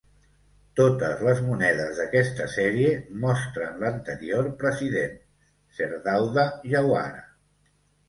Totes les monedes d'aquesta sèrie mostren l'anterior president, Sir Dawda Jawara.